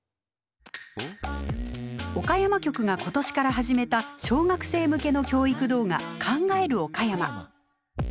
岡山局が今年から始めた小学生向けの教育動画「考える岡山」。